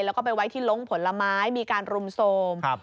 แล้วก็ไปไว้ที่ลงผลไม้มีการรุมโทรม